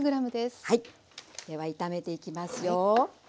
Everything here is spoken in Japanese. では炒めていきますよ。